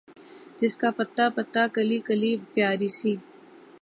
جس کا پتا پتا، کلی کلی پیاری سی